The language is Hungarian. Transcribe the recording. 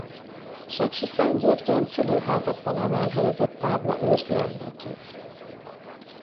Sepsiszentgyörgyön szülőháza falán elhelyezett tábla őrzi emlékét.